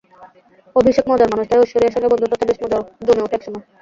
অভিষেক মজার মানুষ, তাই ঐশ্বরিয়ার সঙ্গে বন্ধুত্বটা বেশ জমে ওঠে একসময়।